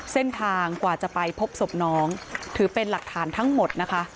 เส้นทางกว่าจะไปพบศพน้องถือเป็นหลักฐานทั้งหมดนะคะ